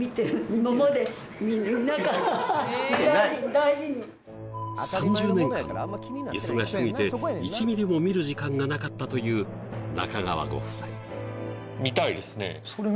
大事に３０年間忙しすぎて１ミリも見る時間がなかったという中川ご夫妻